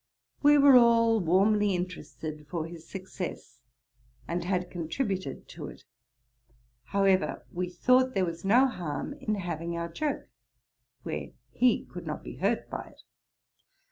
We were all warmly interested for his success, and had contributed to it. However, we thought there was no harm in having our joke, when he could not be hurt by it.